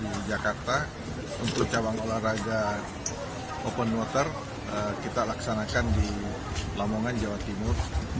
di jakarta untuk cabang olahraga open water kita laksanakan di lamongan jawa timur